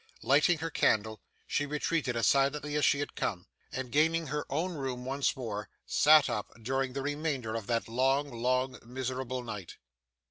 Lighting her candle, she retreated as silently as she had come, and, gaining her own room once more, sat up during the remainder of that long, long, miserable night.